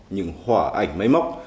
những hỏa ảnh máy móc